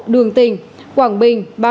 đường tỉnh quảng bình